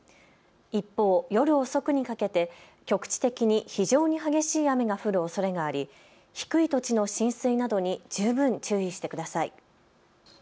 一方、夜遅くにかけて局地的に非常に激しい雨が降るおそれがあり低い土地の浸水などに十分注意してください。